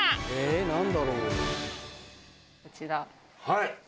はい。